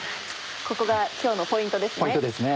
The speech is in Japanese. ここが今日のポイントですね。